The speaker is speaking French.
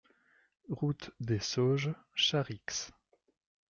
Route des Sauges, Charix